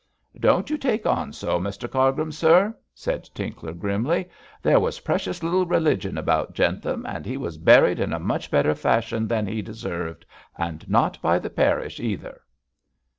'Don't you take on so, Mr Cargrim, sir!' said Tinkler, grimly. 'There was precious little religion about Jentham, and he was buried in a much better fashion than he deserved, and not by the parish either.'